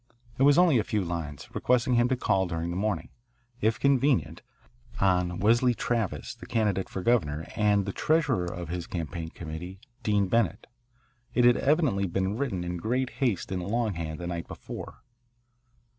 It was only a few lines, requesting him to call during the morning, if convenient, on Wesley Travis, the candidate for governor and the treasurer of his campaign committee, Dean Bennett. It had evidently been written in great haste in longhand the night before.